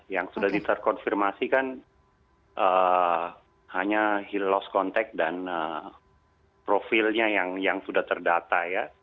yang sudah diserkonfirmasikan hanya lost contact dan profilnya yang sudah terdata